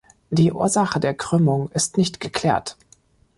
Die Ursache der Krümmung ist nicht geklärt.